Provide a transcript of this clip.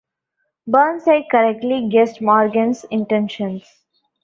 Burnside correctly guessed Morgan's intentions.